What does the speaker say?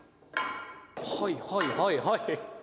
はいはいはいはい。